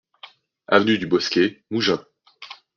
Avenue du Bosquet, Mougins